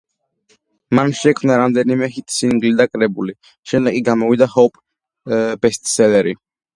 მან შექმნა რამდენიმე ჰიტ-სინგლი და კრებული, შემდეგ კი გამოვიდა პოპ-ბესტსელერი.